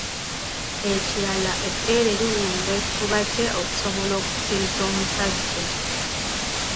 Ekirala ebbeere liwunda ekifuba kye okusobola okusikiriza omusajja.